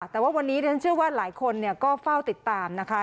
แต่ว่าวันนี้ดิฉันเชื่อว่าหลายคนก็เฝ้าติดตามนะคะ